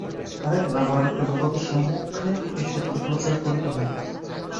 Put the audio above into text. আর একবার ভারতকে জগতের সমক্ষে এই সত্য প্রচার করিতে হইবে।